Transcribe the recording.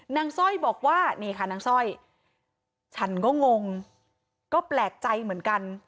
สร้อยบอกว่านี่ค่ะนางสร้อยฉันก็งงก็แปลกใจเหมือนกัน